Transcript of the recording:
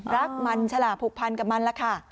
รักมันฉลาผูกพันกับมันล่ะค่ะ